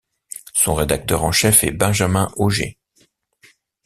Son rédacteur en chef est Benjamin Augé.